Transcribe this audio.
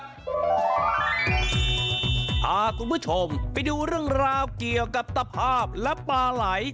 พาคุณผู้ชมไปดูเรื่องราวเกี่ยวกับตภาพและปลาไหล